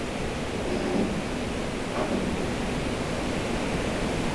kijiji cha Elagabal kilichoitwa Epilebal kilichokula kwenye sahani za fedha